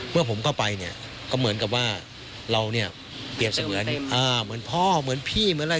เมื่อผมเข้าไปเนี่ยก็เหมือนกับว่าเราเนี่ยเปรียบเสมือนเหมือนพ่อเหมือนพี่เหมือนอะไร